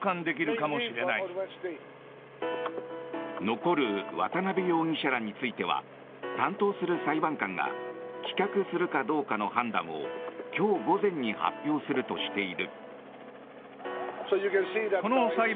残る渡邉容疑者らについては担当する裁判官が棄却するかどうかの判断を今日午前に発表するとしている。